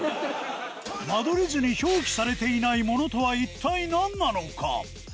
間取り図に表記されていないモノとは一体何なのか？